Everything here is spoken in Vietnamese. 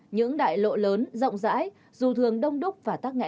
những đại lộ lớn rộng rãi dù thường đông đúc và tắc nghẽn